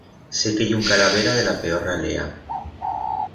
Sé que ye un calavera de la peor ralea.